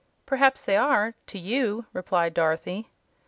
"Perhaps they are, to you," replied Dorothy.